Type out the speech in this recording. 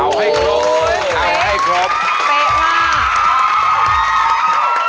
เอาให้ครบก็เฟ้งมากก็เฟ้งมาก